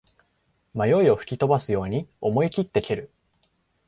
迷いを吹き飛ばすように思いきって蹴る